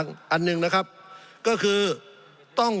สงบจนจะตายหมดแล้วครับ